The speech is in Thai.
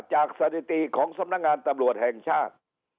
สถิติของสำนักงานตำรวจแห่งชาติ